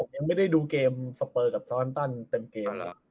ผมไม่ได้ดูเกมฉันไม่ได้ดูเกมครับ